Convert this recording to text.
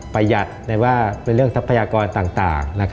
ประหยัดในเรื่องทรัพยากรต่าง